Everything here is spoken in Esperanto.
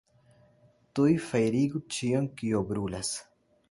Tuj fajrigu ĉion, kio brulas!